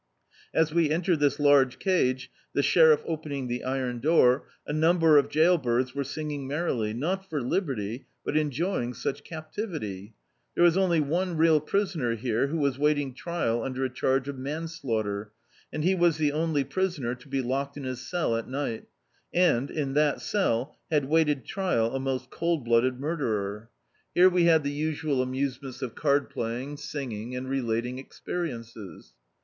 As we entered this large cage, the sheriff opening the iron door, a number of jail birds were singing merrily, not for liberty, but en joying such captivity. There was only one real prisoner here, who was waiting trial under a charge of manslaughter, and he was the one prisoner to be locked in his cell at night; and, in that cell, had waited trial a most cold blooded murderer. Here D,i.,.db, Google A Prisoner His Own Judge we had the usual amusements of card playing, sing ing and relating experiences.